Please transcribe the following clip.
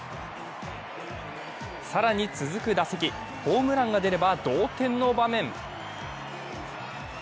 更に続く打席、ホームランが出れば同点の場面。